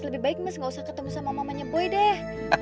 lebih baik mas gak usah ketemu sama mamanya boy deh